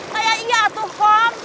kayak iya tuh kom